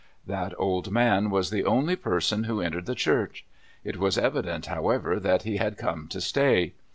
That old man was the only person who entered the church. It was evident, how ever, that he had come to stay.